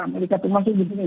amerika termasuk disini